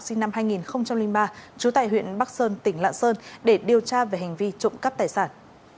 sinh năm hai nghìn ba trú tại huyện bắc sơn tỉnh lạng sơn để điều tra về hành vi trộm cắp tài sản